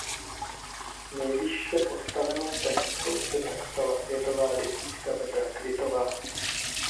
Nejvýše postavenou tenistkou se tak stala světová desítka Petra Kvitová.